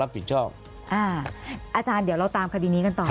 อาจารย์เดี๋ยวเราตามคดีนี้กันต่อ